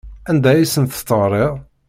Anda ay asent-teɣriḍ?